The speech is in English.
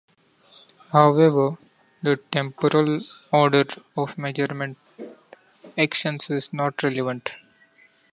However, the temporal order of measurement actions is not relevant.